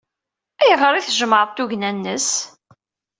Ayɣer ay tjemɛeḍ tugna-nnes?